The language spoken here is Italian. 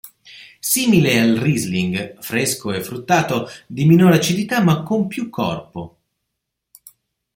Simile al Riesling, fresco e fruttato, di minor acidità ma con più corpo.